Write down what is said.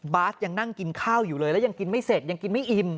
บาสยังนั่งกินข้าวอยู่เลยแล้วยังกินไม่เสร็จยังกินไม่อิ่ม